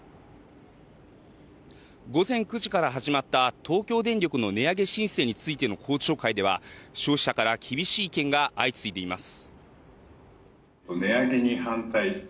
午前９時から始まった東京電力の値上げ申請についての公聴会では、消費者から厳しい意見が相次いでいます。